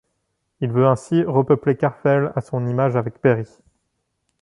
Il veut ainsi repeupler Karfel à son image avec Peri.